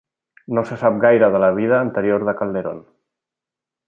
No se sap gaire de la vida anterior de Calderón.